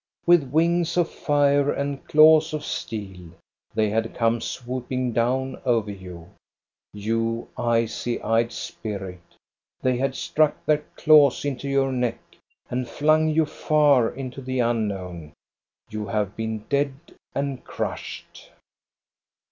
With wings of fire and THE AUCTION AT BJORNE I4I claws of steel .they had come swooping down over you, you icy eyed spirit; they had struck their claws into your neck and flung you far into the unknown. You have been dead and crushed.